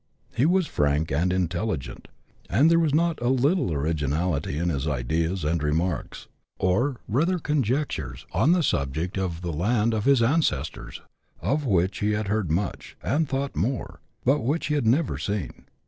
He was frank and intelligent, and there was not a little originality in his ideas and remarks, or rather 'conjectures, on the subject of the land of his ancestors, of which he had heard much, and thought more, but which he had never seen.